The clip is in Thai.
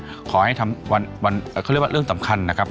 ขอให้ทำวันเขาเรียกว่าเรื่องสำคัญนะครับ